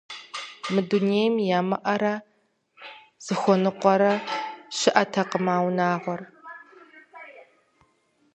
Мы дунейм ямыӀэрэ зыхуэныкъуэрэ щыӀэтэкъым а унагъуэр.